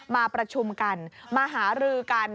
มาประชุมกันมาหารือกัน